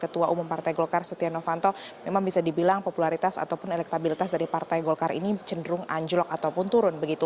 ketua umum partai golkar setia novanto memang bisa dibilang popularitas ataupun elektabilitas dari partai golkar ini cenderung anjlok ataupun turun begitu